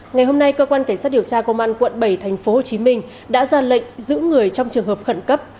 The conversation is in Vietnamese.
ngày hôm nay cơ quan cảnh sát điều tra công an quận bảy tp hcm đã ra lệnh giữ người trong trường hợp khẩn cấp